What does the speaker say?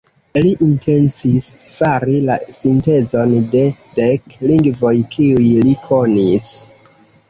Li intencis fari la sintezon de dek lingvoj kiuj li konis.